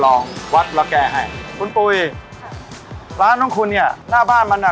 ลองวัดหล่อแก่ให้คุณปุ๋ยครับร้านตรงคุณเนี้ยหน้าบ้านมันน่ะ